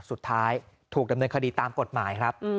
สุดท้ายถูกดำเนินคดีตามกฎหมายครับ